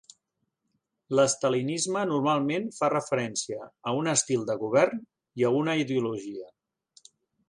L'estalinisme normalment fa referència a un estil de govern i a una ideologia.